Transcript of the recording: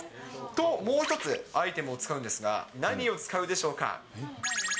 ともう一つ、アイテムを使うんですが、何を使うでしょうか。